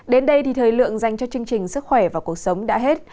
đến đây thì thời lượng dành cho chương trình sức khỏe và cuộc sống đã hết